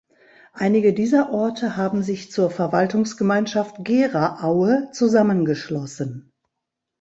Einige dieser Orte haben sich zur Verwaltungsgemeinschaft Gera-Aue zusammengeschlossen.